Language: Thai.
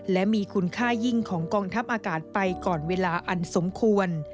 และมีคุณค่ายิ่งของกองทัพอากาศไปก่อนเวลาอันสมควร